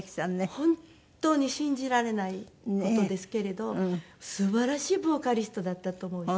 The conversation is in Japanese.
本当に信じられない事ですけれど素晴らしいボーカリストだったと思います。